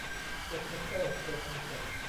กดแคนเซิลเป็นอันเสร็จ